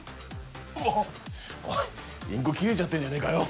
あっインク切れちゃってるじゃねえかよ。